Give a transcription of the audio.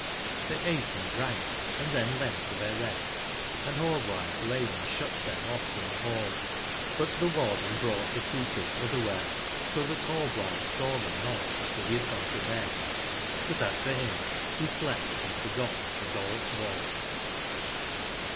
Xlhcy ate and drank and then went to their rest, and Rallblithc lay in a shut/bed off from the hall, but the 124 harden brought tbc seekers otherwhere, so that Rallblithe saw them not after he had gone to bed; but as for him he slept and forgot that aught was.